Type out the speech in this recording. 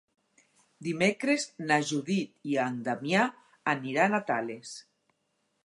Dimecres na Judit i en Damià aniran a Tales.